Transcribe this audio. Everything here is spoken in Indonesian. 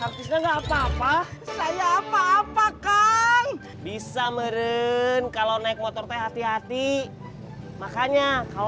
hartus gak apa apa saya apa apa entire bisa meren kalau naik motor atau hati hati makanya kalau